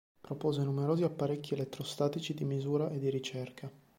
Propose numerosi apparecchi elettrostatici di misura e di ricerca.